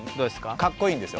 かっこいいんですよ。